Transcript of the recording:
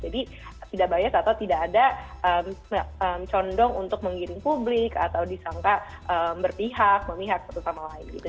jadi tidak bias atau tidak ada condong untuk menggiring publik atau disangka berpihak memihak satu sama lain gitu